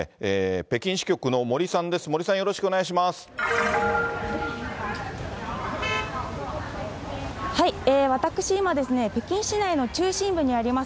北京支局の森さんです、私、今、北京市内の中心部にあります